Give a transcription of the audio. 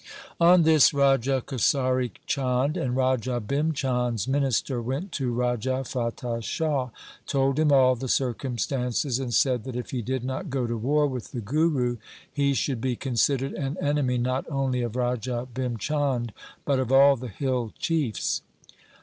On this Raja Kesari Chand and Raja Bhim Chand' s minister went to Raja Fatah Shah, told him all the circumstances, and said that if he did not go to war with the Guru, he should be considered an enemy not only of Raja Bhim Chand, but of all the hill chiefs.